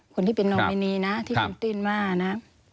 คนที่เป็นนอมินีนะที่คุณติ้นว่านะ